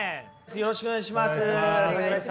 よろしくお願いします。